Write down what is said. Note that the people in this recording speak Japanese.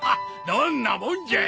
どんなもんじゃい！